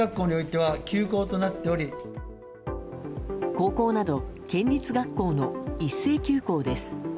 高校など県立学校の一斉休校です。